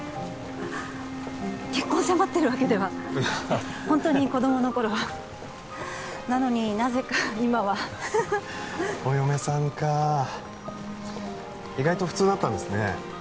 結婚迫ってるわけではホントに子供の頃はなのになぜか今はハハハお嫁さんかあ意外と普通だったんですね